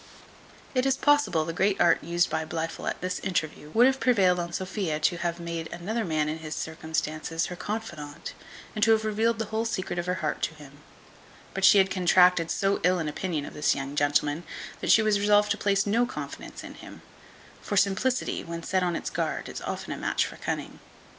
It is possible the great art used by Blifil at this interview would have prevailed on Sophia to have made another man in his circumstances her confident, and to have revealed the whole secret of her heart to him; but she had contracted so ill an opinion of this young gentleman, that she was resolved to place no confidence in him; for simplicity, when set on its guard, is often a match for cunning.